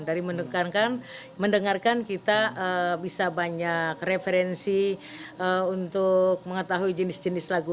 dari mendengarkan kita bisa banyak referensi untuk mengetahui jenis jenis lagu